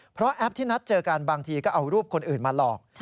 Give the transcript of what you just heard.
เพราะแอปที่นัดเจอกันบางทีก็เอารูปคนอื่นมาหลอก